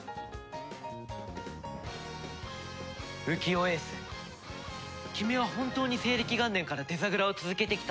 浮世英寿君は本当に西暦元年からデザグラを続けてきたんだ。